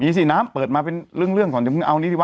มีสิน้ำเปิดมาเป็นเรื่องของชิคกี้พายเอานี่ดิวะ